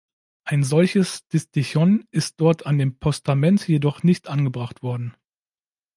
Ein solches Distichon ist dort an dem Postament jedoch nicht angebracht worden.